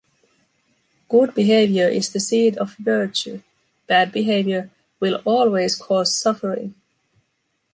Good behavior is the seed of virtue; bad behavior will always cause suffering.